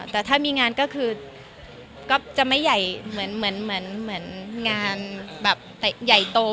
แต่ถ้ามีงานก็คือก็จะไม่ใหญ่เหมือนงานแบบใหญ่โต